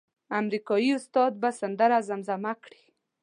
امریکایي استاد به سندره زمزمه کړي.